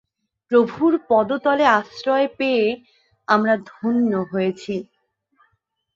প্রভুর পদতলে আশ্রয় পেয়ে আমরা ধন্য হয়েছি।